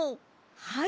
はい。